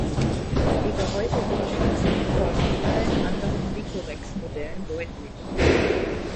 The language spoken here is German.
Ihr Gehäuse unterschied sich von allen anderen Nikkorex-Modellen deutlich.